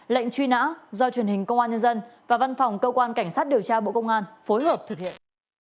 lệnh truy nã do truyền hình công an nhân dân và văn phòng cơ quan cảnh sát điều tra bộ công an phối hợp thực hiện